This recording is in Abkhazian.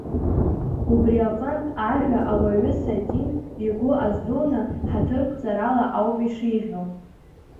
Убри аҟнытә, ажәа Ауаҩы Сатин игәы аздуны, ҳаҭырқәҵарала ауп ишиҳәо.